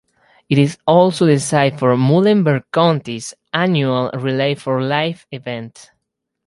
It is also the site for Muhlenberg County's annual Relay for Life event.